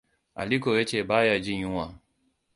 Aliko ya ce baya jin yunwa.